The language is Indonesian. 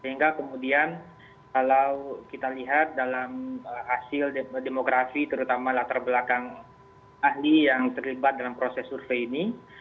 sehingga kemudian kalau kita lihat dalam hasil demografi terutama latar belakang ahli yang terlibat dalam proses survei ini